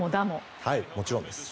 もちろんです。